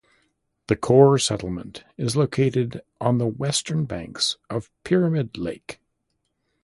The core settlement is located on the western banks of Pyramid Lake.